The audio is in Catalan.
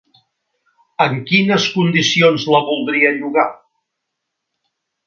En quines condicions la voldria llogar?